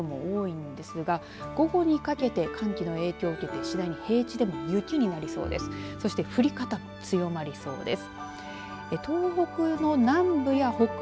東北北部では降り始めは雨の所も多いんですが午後にかけて寒気の影響を受けて次第に平地でも雪になりそうです。